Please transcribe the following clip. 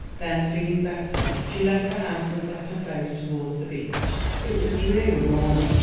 Then feeling better, she left the house and set her face towards the beach. It was a dreary morning.